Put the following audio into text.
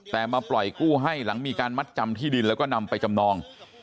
แต่มาปล่อยกู้ให้หลังมีการมัดจำที่ดินแล้วก็นำไปจำนอง